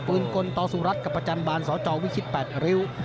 ปืนกลต่อสู่รัฐกับประจันบาลสวจรวิชิตแปดริ้ว